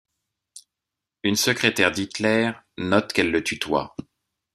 Une secrétaire d'Hitler note qu'elle le tutoie.